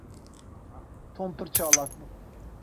Tom pir çalak bû.